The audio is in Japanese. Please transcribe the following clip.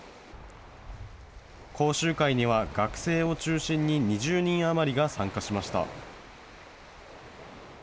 講習会には、学生を中心に２０人余りが参加しました。